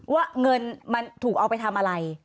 ว่าเงินมันถูกเอาไปทำอะไร